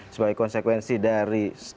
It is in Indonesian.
sebagai konsekuensi dari